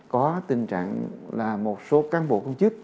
có tình trạng là một số cán bộ công chức